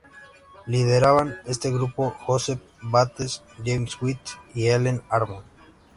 Lideraban este grupo Joseph Bates, James White y Ellen Harmon.